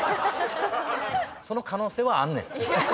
その可能性はあんねん。